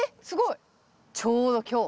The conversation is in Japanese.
ちょうど今日。